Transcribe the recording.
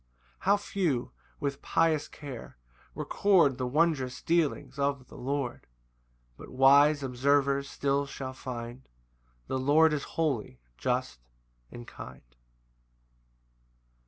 9 How few, with pious care, record The wondrous dealings of the Lord! But wise observers still shall find The Lord is holy, just, and kind.